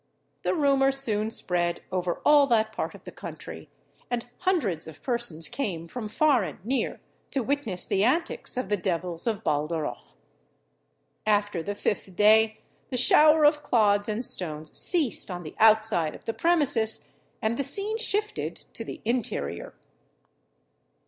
The rumour soon spread over all that part of the country, and hundreds of persons came from far and near to witness the antics of the devils of Baldarroch. After the fifth day, the shower of clods and stones ceased on the outside of the premises, and the scene shifted to the interior.